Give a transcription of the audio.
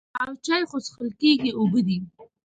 او چای خو څښل کېږي اوبه دي.